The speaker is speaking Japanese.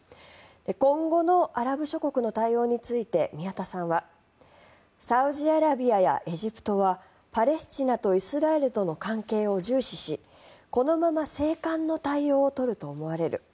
今後のアラブ諸国の対応について宮田さんはサウジアラビアやエジプトはパレスチナとイスラエルとの関係を重視しこのまま静観の対応を取ると思われる。